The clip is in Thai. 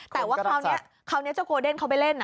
แต่ว่าคราวนี้เจ้าโกเดนเขาไปเล่น